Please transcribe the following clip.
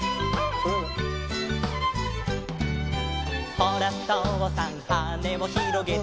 「ほらとうさんはねをひろげて」